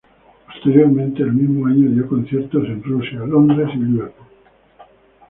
Posteriormente, el mismo año dio conciertos en Rusia, Londres, Liverpool.